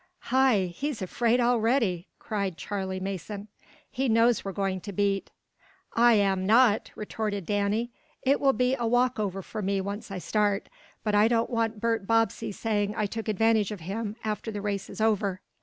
"Hi! He's afraid already!" cried Charley Mason. "He knows we're going to beat!" "I am not!" retorted Danny. "It will be a walkover for me once I start. But I don't want Bert Bobbsey saying I took advantage of him, after the race is over."